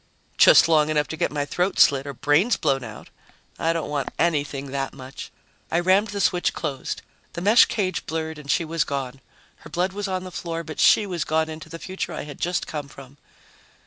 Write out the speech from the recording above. "Just long enough to get my throat slit or brains blown out. I don't want anything that much." I rammed the switch closed. The mesh cage blurred and she was gone. Her blood was on the floor, but she was gone into the future I had just come from.